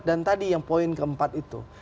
dan tadi yang poin keempat itu